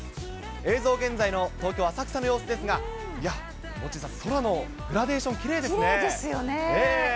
映像、現在の東京・浅草の様子ですが、いや、モッチーさん、空のグラデきれいですよね。